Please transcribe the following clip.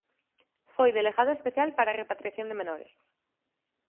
Foi Delegado especial para a repatriación de menores.